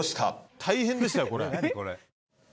大変でしたよ、これ。